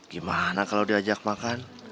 gimana kalau diajak makan